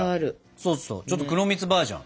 そうそうちょっと黒蜜バージョン。